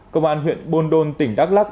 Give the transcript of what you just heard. công an huyện bồn đôn tỉnh đắk lắc